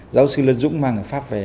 giáo sư lân dũng mang người pháp về